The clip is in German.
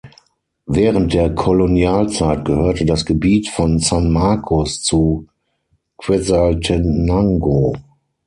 Während der Kolonialzeit gehörte das Gebiet von San Marcos zu Quetzaltenango.